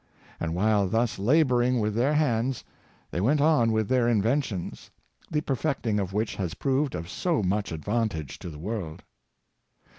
And while thus laboring with their hands, they went on with their inventions, the perfect ing of which has proved of so much advantage to the world.